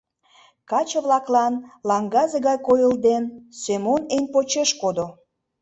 Каче-влаклан лаҥгазе гай койылден, Семон эн почеш кодо.